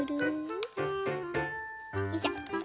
よいしょ。